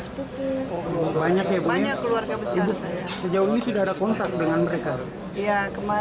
cuma keluarga yang lain belum ada berita